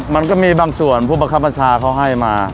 มันก็มีบางส่วนผู้บังคับบัญชาเขาให้มา